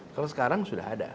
kalau sekarang sudah ada